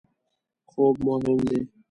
خوب مهم دی